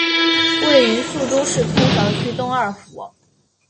位于宿州市埇桥区东二铺。